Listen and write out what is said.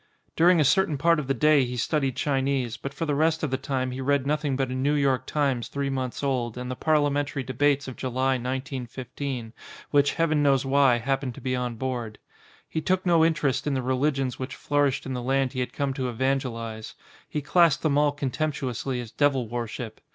During a certain part of the day he studied Chi nese, but for the rest of the time he read nothing but a New York Times three months old and the Parliamentary debates of July, 1915, which, heaven knows why, happened to be on board. He took no interest in the religions which flourished in the land he had come to evangelise. He classed them all contemptuously as devil worship.